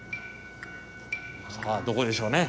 さあどこでしょうね。